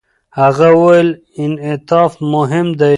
هغه وویل، انعطاف مهم دی.